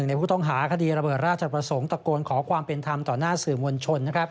ในผู้ต้องหาคดีระเบิดราชประสงค์ตะโกนขอความเป็นธรรมต่อหน้าสื่อมวลชน